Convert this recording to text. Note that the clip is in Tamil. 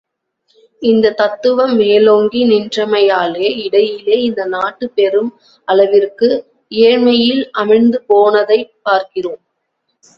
இந்தத் தத்துவம் மேலோங்கி நின்றமையாலேயே இடையிலே இந்த நாடு பெரும் அளவிற்கு ஏழைமையில் அமிழ்ந்து போனதைப் பார்க்கிறோம்.